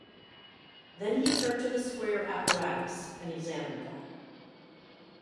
Then he turned to the square apparatus and examined that.